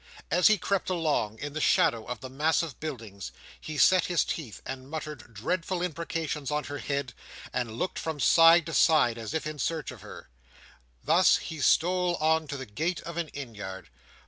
As he crept along, in the shadow of the massive buildings, he set his teeth, and muttered dreadful imprecations on her head, and looked from side to side, as if in search of her. Thus, he stole on to the gate of an inn yard.